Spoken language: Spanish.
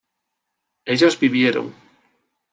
ellos vivieron